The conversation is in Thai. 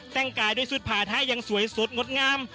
แต่งกายด้วยชุดผ่าท้ายยังสวยสดงดงาม